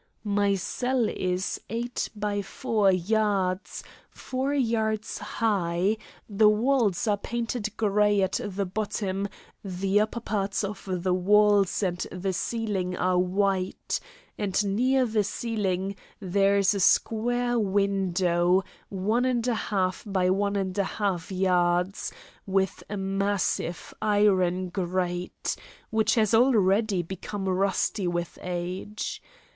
My cell is 8 by 4 yards, 4 yards high, the walls are painted grey at the bottom, the upper part of the walls and the ceiling are white, and near the ceiling there is a square window 1 1/2 by 1 1/2 yards, with a massive iron grate, which has already become rusty with age.